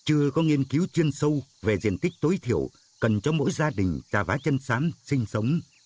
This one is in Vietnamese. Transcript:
chưa có nghiên cứu chuyên sâu về diện tích tối thiểu cần cho mỗi gia đình trà vá chân sám sinh sống